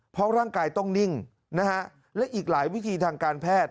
เพราะร่างกายต้องนิ่งนะฮะและอีกหลายวิธีทางการแพทย์